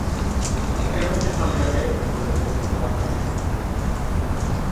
কেন মিসেস মালিকাকে বলেছ যে তুমি আমার মেয়ে?